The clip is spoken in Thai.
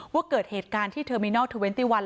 ว่าเกิดเหตุการณ์ที่ที่เทอร์มีนัล๒๑